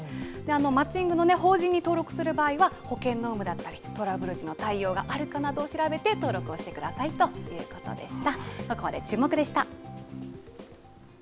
マッチングの法人に登録する場合は、保険の有無だったり、トラブル時の対応があるかなどを調べて、登録をしてくださいということでした。